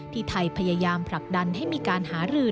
ไทยพยายามผลักดันให้มีการหารือ